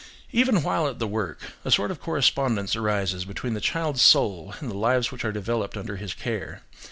Even while at the work, a sort of correspondence arises between the child's soul and the lives which are developed under his care.